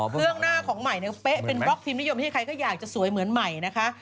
เครื่องหน้าของใหม่เนี่ยเป๊ะเป็นบล็อกทีมนิยมที่ใครก็อยากจะสวยเหมือนใหม่นะคะ